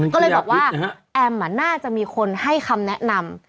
ก็เลยบอกว่าแอมน่าจะมีคนให้คำแนะนำ